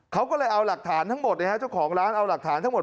เขาก็เลยเอาหลักฐานทั้งหมดเจ้าของร้านเอาหลักฐานทั้งหมด